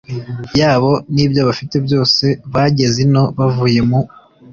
yabo n ibyo bafite byose bageze ino bavuye mu